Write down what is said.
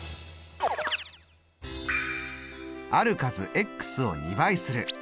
ある数を２倍する。